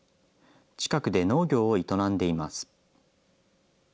近くで農業を営んでいます。